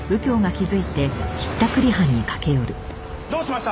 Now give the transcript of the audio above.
どうしました？